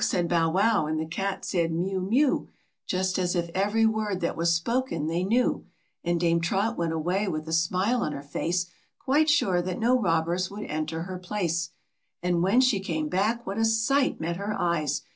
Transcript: The dog said " Bow wow," and the cat said " Miew miew," Just as if every word that was spoken they knew, And Dame Trot went away with a smile on her face, Quite sure that no robbers would enter her place. And when she came back what a sight met her eyes